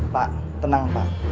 pak tenang pak